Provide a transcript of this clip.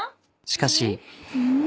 しかし。